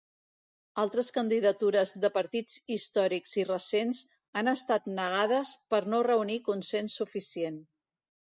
Altres candidatures de partits històrics i recents, han estat negades per no reunir consens suficient.